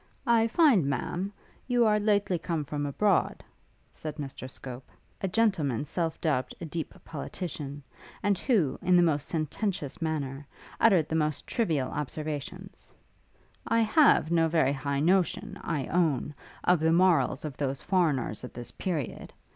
'I find Ma'am, you are lately come from abroad,' said Mr Scope, a gentleman self dubbed a deep politician, and who, in the most sententious manner, uttered the most trivial observations: 'I have no very high notion, I own, of the morals of those foreigners at this period.